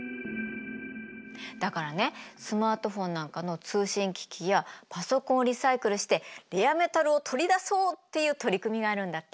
だからねスマートフォンなんかの通信機器やパソコンをリサイクルしてレアメタルを取り出そうっていう取り組みがあるんだって。